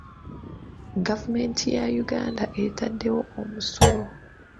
Gavumenti ya Uganda etadde wo omusolo